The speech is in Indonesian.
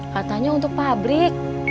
katanya untuk pabrik